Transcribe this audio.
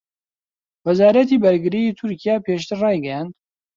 وەزارەتی بەرگریی تورکیا پێشتر ڕایگەیاند